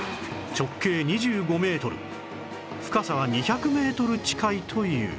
直径２５メートル深さは２００メートル近いという